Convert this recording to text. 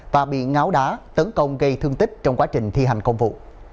và bị ngáo đá tấn công gây thương tích trong quá trình thi hành công vụ